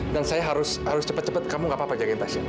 dan saya harus cepat cepat kamu nggak apa apa jagain tasya